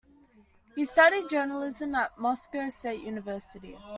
She studied journalism at Moscow State University.